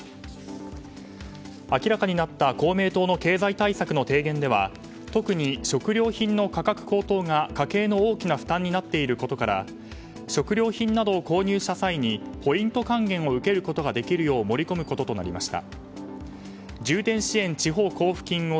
明らかになった公明党の経済対策の提言では特に食料品の価格高騰が家計の大きな負担になっていることから食料品など購入した際にポイント還元を受けることができる施策を盛り込むこととなりました。